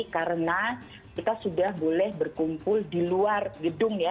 karena kita sudah boleh berkumpul di luar gedung ya